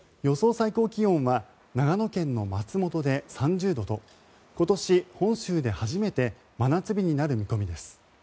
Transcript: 最高気温は長野県の松本で３０度と今年、本州で初めて真夏日になる見込みです。